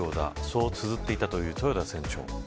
そうつづっていたという豊田船長。